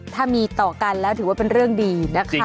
ถ้ามีต่อกันแล้วถือว่าเป็นเรื่องดีนะคะ